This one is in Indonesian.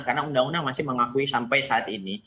karena undang undang masih mengakui sampai saat ini